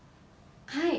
はい。